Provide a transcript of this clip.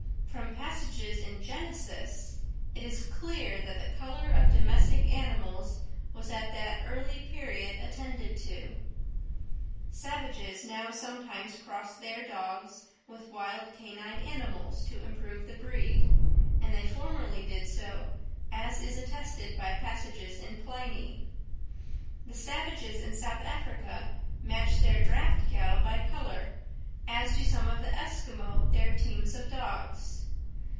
From passages in Genesis, it is clear that the colour of domestic animals was at that early period attended to. Savages now sometimes cross their dogs with wild canine animals, to improve the breed, and they formerly did so, as is attested by passages in Pliny. The savages in South Africa match their draught cattle by colour, as do some of the Esquimaux their teams of dogs.